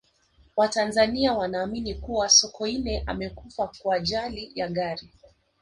watanzania wanaamini kuwa sokoine amekufa kwa ajali ya gari